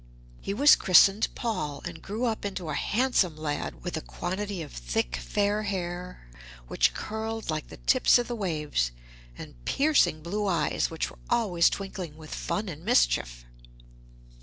He was christened Paul, and grew up into a handsome lad with a quantity of thick fair hair which curled like the tips of the waves, and piercing blue eyes which were always twinkling with fun and mischief.